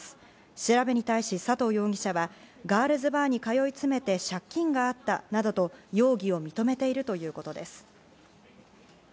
調べに対し佐藤容疑者はガールズバーに通い詰めて、借金があったなどと容疑を認めているということです。